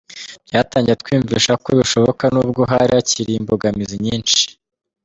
Byatangiye twiyumvisha ko bishoboka nubwo hari hakiri imbogamizi nyinshi.